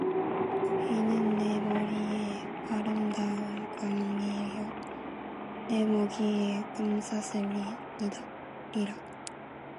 이는 네 머리의 아름다운 관이요 네 목의 금사슬이니라